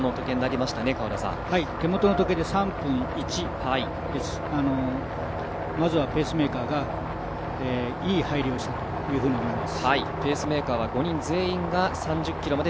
まずはペースメーカーがいい入りをしたというふうに思います。